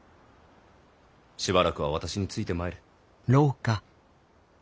しばらくは私についてまいれ。